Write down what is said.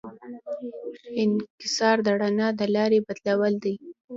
انکسار د رڼا د لارې بدلول دي.